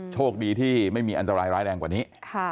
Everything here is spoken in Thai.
โชคดีที่ไม่มีอันตรายร้ายแรงกว่านี้